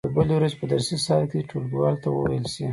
د بلې ورځې په درسي ساعت کې دې ټولګیوالو ته وویل شي.